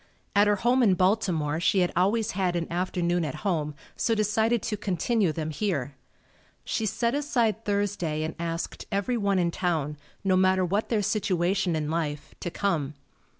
At her home in Baltimore she had always had an afternoon at home, so decided to continue them here. She set aside Thursday and asked everyone in town, no matter what their situation in life, to come.